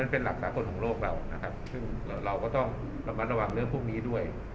เป็นหลักสากลของโลกเรานะครับซึ่งเราก็ต้องระมัดระวังเรื่องพวกนี้ด้วย